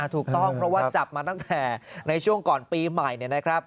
ถูกต้องเพราะว่าจับมาตั้งแต่ในช่วงก่อนปีใหม่